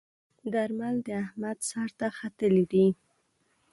درمل د احمد سر ته ختلي ديی.